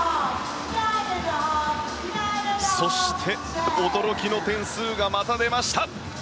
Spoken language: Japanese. そして、驚きの点数がまた出ました。